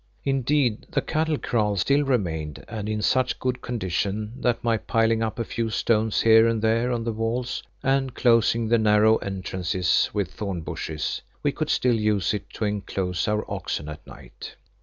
Indeed, the cattle kraal still remained and in such good condition that by piling up a few stones here and there on the walls and closing the narrow entrances with thorn bushes, we could still use it to enclose our oxen at night.